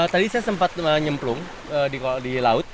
tadi saya sempat menyemplung di laut